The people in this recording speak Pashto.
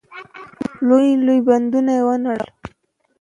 لوی لوی بندونه يې ونړول.